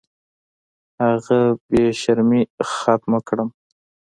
هغه بې شرمۍ ختمې کړم.